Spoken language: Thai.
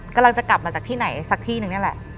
กำลังจะกลับมาจากที่ไหนสักที่นึงนี่แหละ